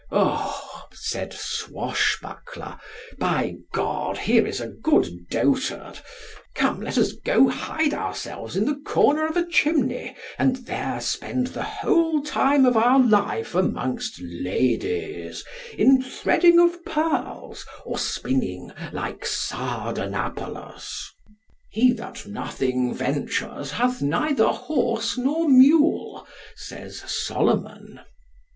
O, said Swashbuckler, by G , here is a good dotard; come, let us go hide ourselves in the corner of a chimney, and there spend the whole time of our life amongst ladies, in threading of pearls, or spinning, like Sardanapalus. He that nothing ventures hath neither horse nor mule, says Solomon.